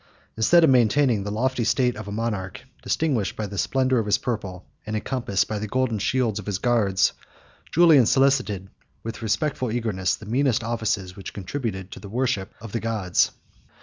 Instead of maintaining the lofty state of a monarch, distinguished by the splendor of his purple, and encompassed by the golden shields of his guards, Julian solicited, with respectful eagerness, the meanest offices which contributed to the worship of the gods.